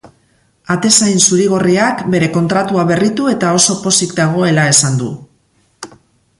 Atezain zuri-gorriak bere kontratua berritu eta oso pozik dagoela esan du.